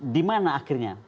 di mana akhirnya